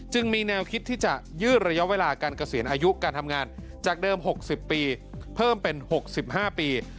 มีแนวคิดที่จะยืดระยะเวลาการเกษียณอายุการทำงานจากเดิม๖๐ปีเพิ่มเป็น๖๕ปี